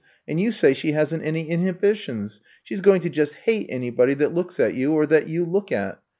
And you say she hasn't any inhibitions. She 's going to just hate anybody that looks at you or that you look at.